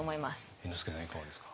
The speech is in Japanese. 猿之助さんいかがですか？